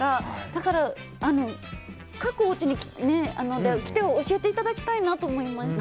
だから、各おうちに来て、教えていただきたいなと思いました。